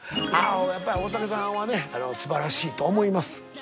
やっぱり大竹さんはね素晴らしいと思います。